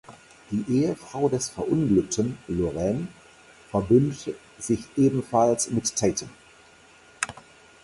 Die Ehefrau des Verunglückten, Lorraine, verbündet sich ebenfalls mit Tatum.